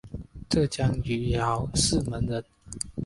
浙江余姚泗门人。